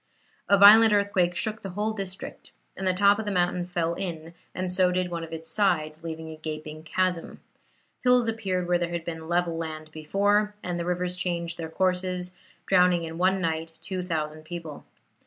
A violent earthquake shook the whole district, and the top of the mountain fell in, and so did one of its sides, leaving a gaping chasm. Hills appeared where there had been level land before, and the rivers changed their courses, drowning in one night 2,000 people.